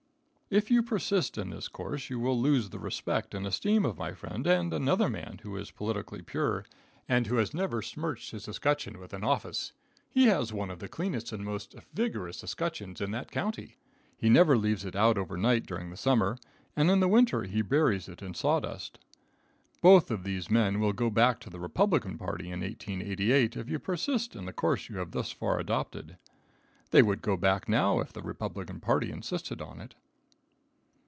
If you persist in this course you will lose the respect and esteem of my friend and another man who is politically pure, and who has never smirched his escutcheon with an office. He has one of the cleanest and most vigorous escutcheons in that county. He never leaves it out over night during the summer, and in the winter he buries it in sawdust. Both of these men will go back to the Republican party in 1888 if you persist in the course you have thus far adopted. They would go back now if the Republican party insisted on it.